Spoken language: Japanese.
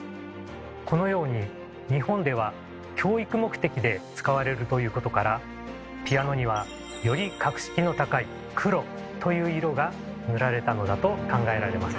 このように日本では教育目的で使われるということからピアノにはより格式の高い「黒」という色が塗られたのだと考えられます。